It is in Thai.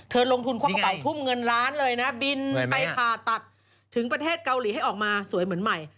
ลงทุนควักกระเป๋าทุ่มเงินล้านเลยนะบินไปผ่าตัดถึงประเทศเกาหลีให้ออกมาสวยเหมือนใหม่